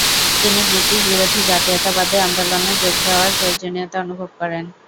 তিনি ব্রিটিশ-বিরোধী জাতীয়তাবাদী আন্দোলনে যোগ দেওয়ার প্রয়োজনীয়তা অনুভব করেন।